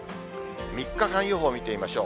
３日間予報を見てみましょう。